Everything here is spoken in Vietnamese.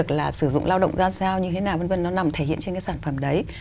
ví dụ như là sử dụng lao động ra sao như thế nào v v nó nằm thể hiện trên cái sản phẩm đấy